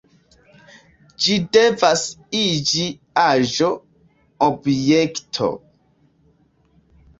Ĝi devas iĝi aĵo, objekto.